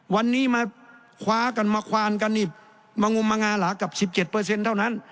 วันนี้มาคว้ากันมาควานกันนี่มางมมางาหลากับ๑๗เท่านั้น